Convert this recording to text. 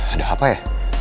ada apa ya